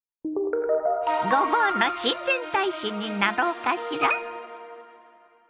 ごぼうの親善大使になろうかしら？